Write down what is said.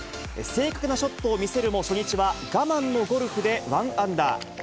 正確なショットを見せるも、初日は我慢のゴルフで１アンダー。